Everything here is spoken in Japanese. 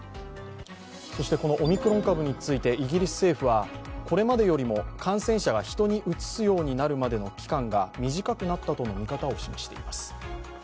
このオミクロン株について、イギリス政府はこれまでよりも感染者が人にうつすようになるまでの期間が短くなったとの見方を示しています。